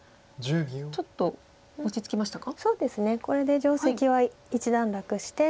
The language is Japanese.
これで定石は一段落して。